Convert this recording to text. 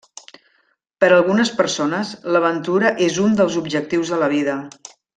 Per algunes persones, l'aventura és un dels objectius de la vida.